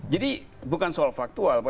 jadi bukan soal faktual